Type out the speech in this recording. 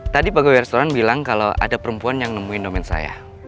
tadi pagi restoran bilang kalau ada perempuan yang nemuin domen saya